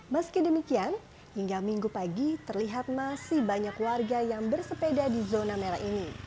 meski demikian hingga minggu pagi terlihat masih banyak warga yang bersepeda di zona merah ini